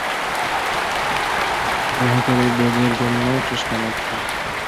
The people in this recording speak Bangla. উহা কেবল ভোগের জন্য চেষ্টা মাত্র।